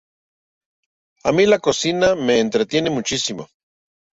A mí la cocina me entretiene muchísimo.